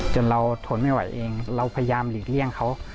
จนเราทนไม่ไหวเองเราพยายามหลีกเลี่ยงเขา